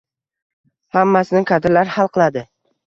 Hammasini kadrlar hal qiladi!